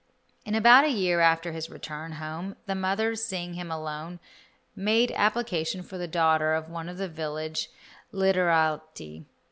In about a year after his return home the mother, seeing him alone, made application for the daughter of one of the village literati.